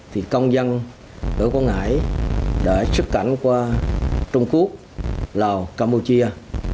thì công dân ở quảng ngãi đã xuất cảnh qua trung quốc lào campuchia